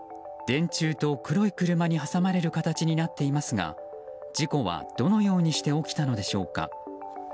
電柱と黒い車に挟まれる形になっていますが事故は、どのようにして起きたのでしょうか。